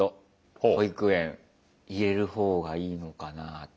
保育園入れる方がいいのかなあって。